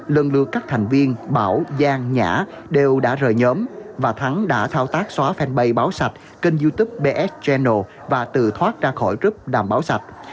lần lượt các thành viên bảo giang nhã đều đã rời nhóm và thắng đã thao tác xóa fanpage báo sạch kênh youtube bs genal và từ thoát ra khỏi group đảm bảo sạch